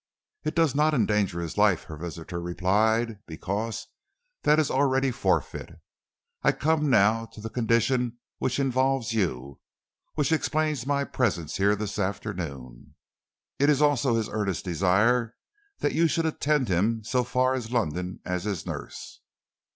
"It does not endanger his life," her visitor replied, "because that is already forfeit. I come now to the condition which involves you, which explains my presence here this afternoon. It is also his earnest desire that you should attend him so far as London as his nurse."